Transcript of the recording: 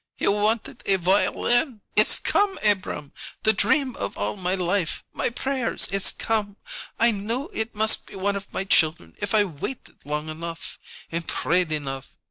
"He wanted a violin! It's come, Abrahm! The dream of all my life my prayers it's come! I knew it must be one of my children if I waited long enough and prayed enough.